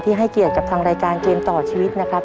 ให้เกียรติกับทางรายการเกมต่อชีวิตนะครับ